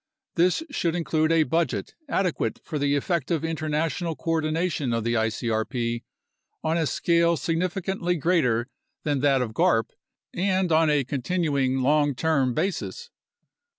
This should include a budget adequate for the effective inter national coordination of the icrp on a scale significantly greater than that of garp and on a continuing long term basis.